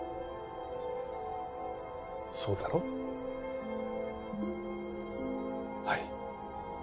そうだろ？はい。